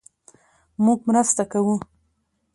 مونږ مرسته کوو